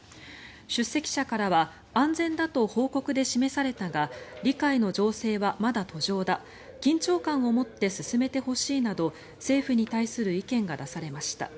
出席者からは安全だと報告で示されたが理解の醸成はまだ途上だ緊張感を持って進めてほしいなど政府に対する意見が出されました。